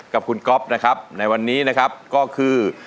กับคุณก๊อฟนะครับในวันนี้นะครับก็คือ